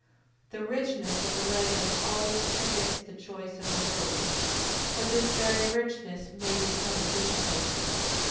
The richness of the language always permits the choice of the mode, but this very richness may become a difficulty.